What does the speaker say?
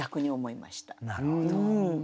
なるほど。